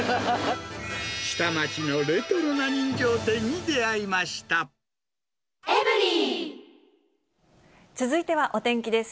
下町のレトロな人情店に出会続いてはお天気です。